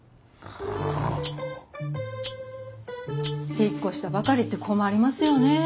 「引っ越したばかりって困りますよね」